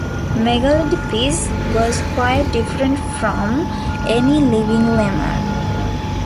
"Megaladapis" was quite different from any living lemur.